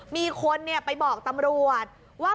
มีคนไปบอกตำรวจว่า